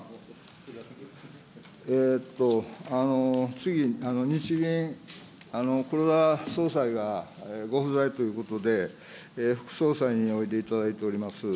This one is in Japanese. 次、日銀、黒田総裁がご不在ということで、副総裁においでいただいております。